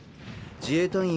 自衛隊員